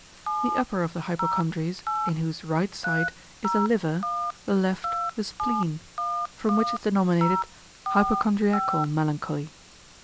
The upper of the hypocondries, in whose right side is the liver, the left the spleen; from which is denominated hypochondriacal melancholy.